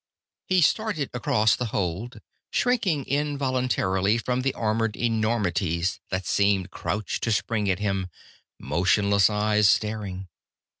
He started across the hold, shrinking involuntarily from the armored enormities that seemed crouched to spring at him, motionless eyes staring.